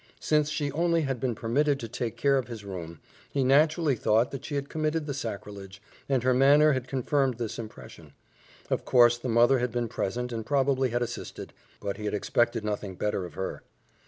Since she only had been permitted to take care of his room, he naturally thought that she had committed the sacrilege, and her manner had confirmed this impression. Of course, the mother had been present and probably had assisted; but he had expected nothing better of her.